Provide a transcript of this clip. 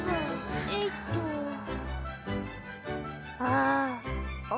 ああ。